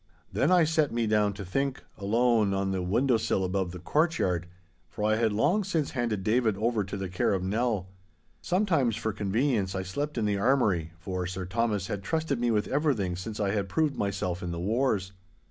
Then I set me down to think, alone, on the window sill above the courtyard, for I had long since handed David over to the care of Nell. Sometimes for convenience, I slept in the armoury, for Sir Thomas had trusted me with everything since I had proved myself in the wars.